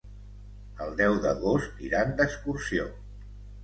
El deu d'agost iran d'excursió.